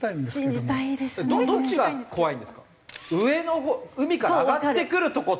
どっち怖いですか？